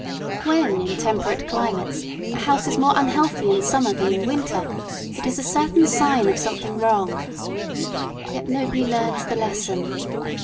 When, in temperate climates, a house is more unhealthy in summer than in winter, it is a certain sign of something wrong. Yet nobody learns the lesson.